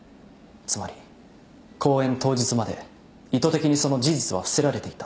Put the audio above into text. つまり公演当日まで意図的にその事実は伏せられていた。